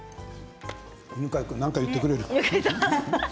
犬飼君、何か言ってくれる？